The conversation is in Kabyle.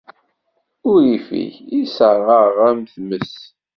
Urrif-ik isserɣ-aɣ am tmes.